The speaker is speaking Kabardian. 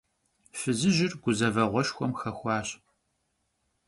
Fızıjır guzeveğueşşxuem xexuaş.